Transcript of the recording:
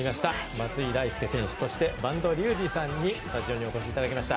松井大輔選手、播戸竜二さんにスタジオにお越しいただきました。